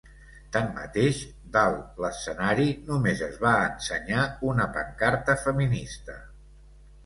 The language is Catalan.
Tanmateix, dalt l’escenari només es va ensenyar una pancarta feminista.